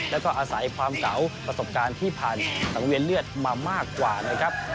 แล้วก็อาศัยความเก่าประสบการณ์ที่ผ่านสังเวียนเลือดมามากกว่านะครับ